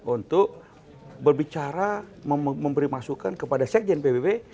untuk berbicara memberi masukan kepada sekjen pbb